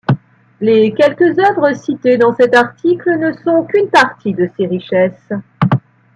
Les quelques œuvres citées dans cet article ne sont qu’une partie de ses richesses.